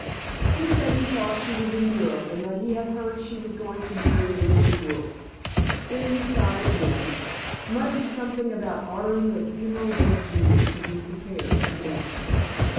He said he thought she was in Europe, and that he had heard she was going to marry Reggie Wolfe. Then he signed again, muttered something about ordering the funeral baked meats to be prepared and left me.